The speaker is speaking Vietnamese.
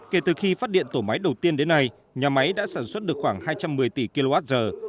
kể từ khi phát điện tổ máy đầu tiên đến nay nhà máy đã sản xuất được khoảng hai trăm một mươi tỷ kwh